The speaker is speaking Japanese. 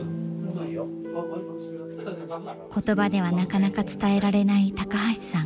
言葉ではなかなか伝えられない高橋さん。